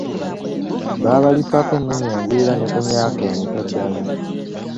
Babalippako ennimi engwira ne ku myaka emito ddala.